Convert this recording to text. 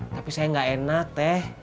tapi saya gak enak teh